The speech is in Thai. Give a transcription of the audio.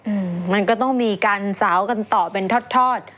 อืมมันก็ต้องมีการสาวกันต่อเป็นทอดทอด